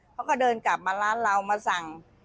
เขาก็เดินกลับมาร้านเรามาสั่ง